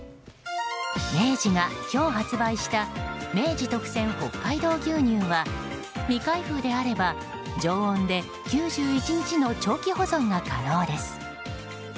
明治が今日発売した明治特選北海道牛乳は未開封であれば常温で９１日の長期保存が可能です。